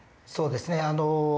そうですね。